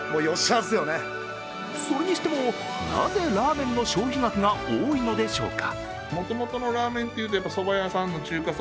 それにしてもなぜ、ラーメンの消費額が多いのでしょうか。